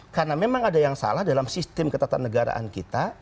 karena memang ada yang salah dalam sistem ketatanegaraan kita